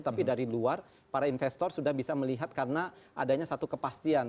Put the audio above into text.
tapi dari luar para investor sudah bisa melihat karena adanya satu kepastian